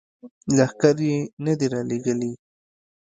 لښکر یې نه دي را لیږلي.